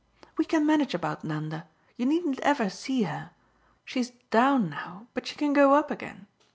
"We can manage about Nanda you needn't ever see her. She's 'down' now, but she can go up again.